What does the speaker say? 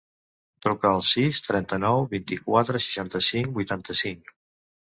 Truca al sis, trenta-nou, vint-i-quatre, seixanta-cinc, vuitanta-cinc.